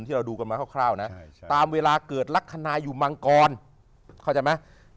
เราดูกันมาคร่าวนะตามเวลาเกิดลักษณะอยู่มังกรเข้าใจไหม